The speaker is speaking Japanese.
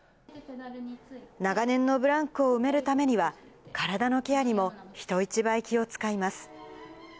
長年のブランクを埋めるためには、体のケアにも人一倍気を遣います。